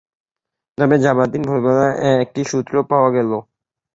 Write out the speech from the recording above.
তবে যাবার দিন ভোরবেলায় একটি সূত্র পাওয়া গেল।